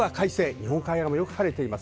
日本海側も晴れています。